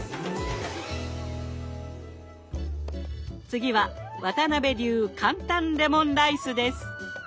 次は渡辺流簡単レモンライスです。